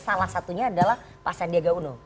salah satunya adalah pak sandiaga uno